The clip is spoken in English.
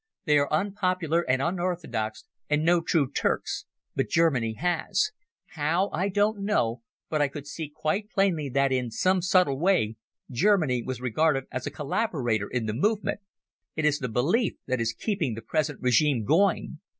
They are unpopular and unorthodox, and no true Turks. But Germany has. How, I don't know, but I could see quite plainly that in some subtle way Germany was regarded as a collaborator in the movement. It is that belief that is keeping the present regime going.